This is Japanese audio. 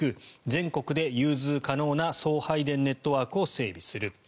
全国で融通可能な送配電ネットワークを整備する。